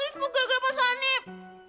ini semua gara gara pak salif